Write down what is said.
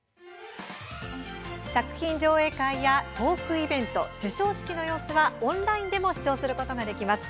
作品上映会やトークイベント、授賞式の様子はオンラインでも視聴することができます。